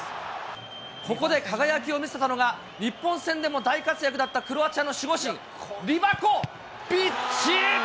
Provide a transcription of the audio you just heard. ここで輝きを見せたのが、日本戦でも大活躍だったクロアチアの守護神、リバコビッチ。